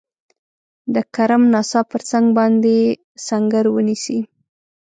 د کرم ناسا پر څنګ باندي سنګر ونیسي.